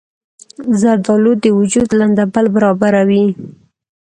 زردالو د وجود لندبل برابروي.